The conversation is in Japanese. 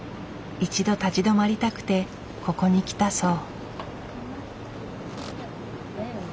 一度立ち止まりたくてここに来たそう。